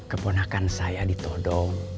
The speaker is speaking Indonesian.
keponakan saya ditodong